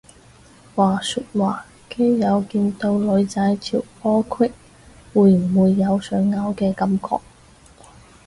話說話基友見到女仔條波罅會唔會有想嘔嘅感覺？